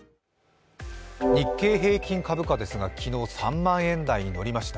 日経平均株価ですが昨日、３万円台に乗りました。